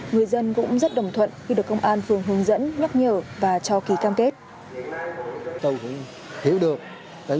người dân cũng rất đồng thuận khi được công an phường hướng dẫn nhắc nhở và cho ký cam kết